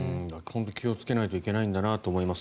気をつけないといけないんだなと思います。